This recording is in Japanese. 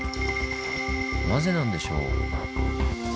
なぜなんでしょう？